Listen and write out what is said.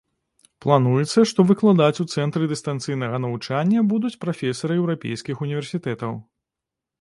Плануецца, што выкладаць у цэнтры дыстанцыйнага навучання будуць прафесары еўрапейскіх універсітэтаў.